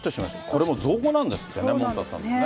これも造語なんですってね、そうなんですね。